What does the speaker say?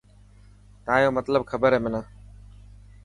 تايون مطلب کبر هي منا.